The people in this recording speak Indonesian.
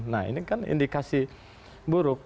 nah ini kan indikasi buruk